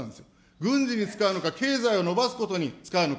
軍事に使うのか経済を伸ばすことに使うのか。